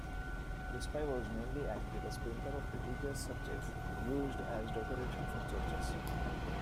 Crespi was mainly active as painter of religious subjects used as decoration for churches.